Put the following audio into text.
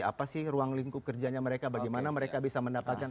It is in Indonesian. apa sih ruang lingkup kerjanya mereka bagaimana mereka bisa mendapatkan